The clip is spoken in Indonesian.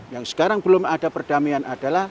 yang sekarang belum ada perdamaian adalah